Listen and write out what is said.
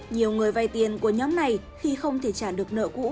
nhiều người vay tiền của nhóm này khi không thể trả được nợ cũ